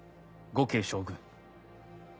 呉慶将軍？